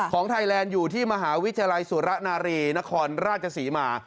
ของไทยแลนด์อยู่ที่มหาวิทยาลัยสุระนารีนครราชศรีมา